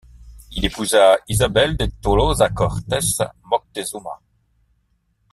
Il épousa Isabel de Tolosa Cortés Moctezuma.